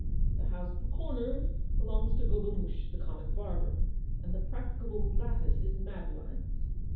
The house at the corner belongs to Gobemouche, the comic barber, and the prac ticable lattice is Madeline's.